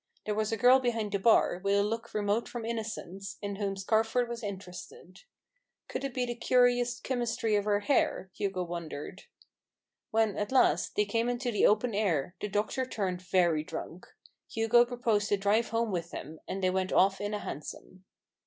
There was a girl behind the bar, with a look remote from innocence, in whom Scarford was interested. Could it be the curious chymistry of her hair ? Hugo wondered. When, at last, they came into the open air, the doctor turned very drunk. Hugo proposed to drive home with him, and they went off in a hansom.